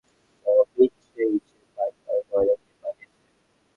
নবীন সেই, যে বাইক আর গয়না নিয়ে পালিয়েছে।